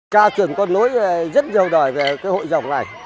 ca trưởng con núi rất giàu đời về cái hội dòng này